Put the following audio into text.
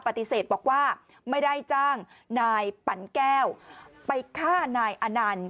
ปฏิเสธบอกว่าไม่ได้จ้างนายปั่นแก้วไปฆ่านายอนันต์